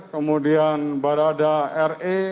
kemudian barada re